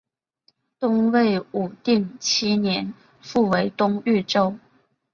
东魏武定七年复为东豫州。